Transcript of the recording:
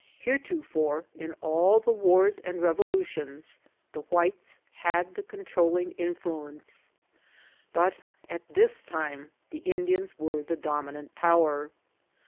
Heretofore, in all the wars and revolutions the whites had the controlling influence, but at this time the In dians were the dominant power.